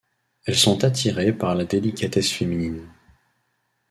Elles sont attirées par la délicatesse féminine.